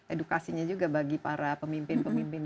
edukasinya juga bagi para pemimpin pemimpin